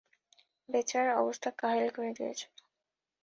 বেচারার অবস্থা কাহিল করে দিয়েছিলে।